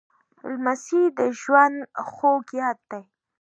لمسی د ژوند خوږ یاد دی.